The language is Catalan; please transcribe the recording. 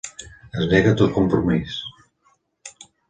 Es nega a tot compromís.